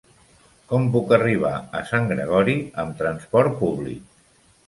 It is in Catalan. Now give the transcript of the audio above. Com puc arribar a Sant Gregori amb trasport públic?